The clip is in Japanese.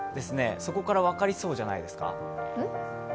そこから分かりそうじゃないですか？